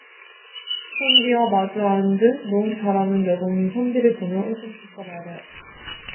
선비와 마주앉은 농 잘하는 여공이 선비를 보며 웃음 섞어 말하였다.